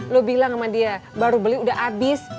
lo bilang sama dia baru beli udah habis